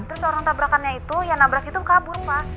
terus orang tabrakannya itu ya nabrak itu kabur pa